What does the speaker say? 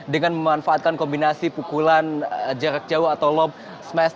dengan memanfaatkan kombinasi pukulan jarak jauh atau lob smash